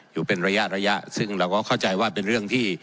อยู่เป็นระยะระยะซึ่งเราก็เข้าใจว่าเป็นเรื่องที่